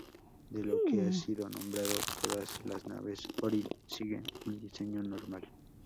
De lo que ha sido nombrado, todas las naves Ori siguen un diseño normal.